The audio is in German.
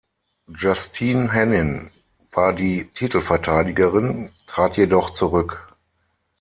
Justine Henin war die Titelverteidigerin, trat jedoch zurück.